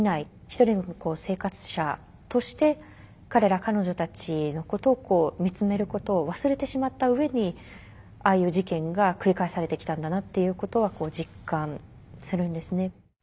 一人の生活者として彼ら彼女たちのことを見つめることを忘れてしまった上にああいう事件が繰り返されてきたんだなっていうことは実感するんですね。